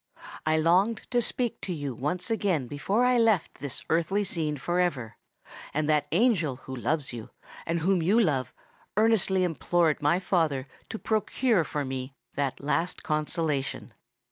"I longed to speak to you once again before I left this earthly scene for ever; and that angel who loves you, and whom you love, earnestly implored my father to procure for me that last consolation.